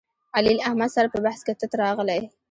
علي له احمد سره په بحث کې تت راغلی.